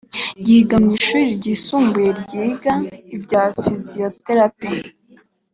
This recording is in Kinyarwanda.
yiga mu ishuri ryisumbuye ryiga ibya fiziyoterapi